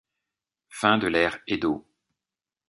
Fin de l'ère Edo.